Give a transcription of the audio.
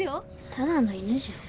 ただの犬じゃん。